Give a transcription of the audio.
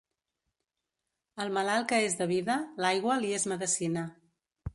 Al malalt que és de vida, l'aigua li és medecina.